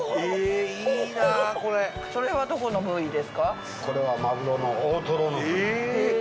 それはどこの部位ですか？